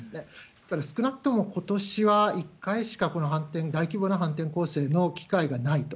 だから少なくともことしは１回しか反転、大規模な反転攻勢のタイミングがないと。